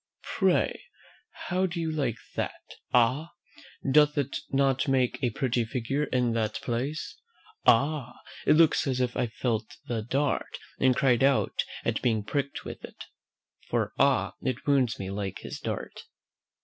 "Pray how do you like that Ah! doth it not make a pretty figure in that place? Ah! it looks as if I felt the dart, and cried out at being pricked with it. "'For, ah! it wounds me like his dart.'